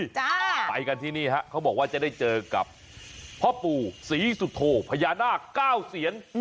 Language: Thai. ไปกันที่นี่ฮะเขาบอกว่าจะได้เจอกับพ่อปู่ศรีสุโธพญานาคเก้าเซียน